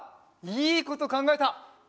いいことかんがえた！